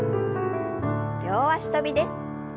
両脚跳びです。